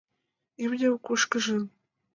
Имньым кушкыжын